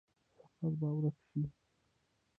فقر به ورک شي؟